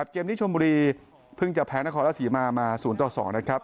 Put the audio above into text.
เกมนี้ชมบุรีเพิ่งจะแพลงนักขอรัฐศรีมามา๐๒นะครับ